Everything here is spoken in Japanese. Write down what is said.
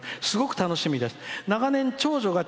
すごく楽しみです。